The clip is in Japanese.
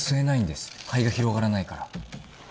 肺が広がらないから。